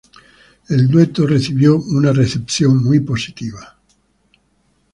El dueto recibió una recepción muy positiva.